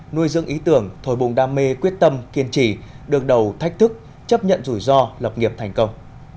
nuôi dưỡng ý tưởng thổi bùng đam mê quyết tâm kiên trì đường đầu thách thức chấp nhận rủi ro lập nghiệp thành công